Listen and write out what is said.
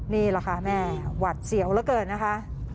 นี่แหละค่ะแม่หวัดเสียวเหลือเกินนะคะ